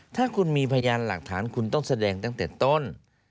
ถ้าคุณมีพยานหลักฐานคุณต้องแสดงตั้งแต่ต้น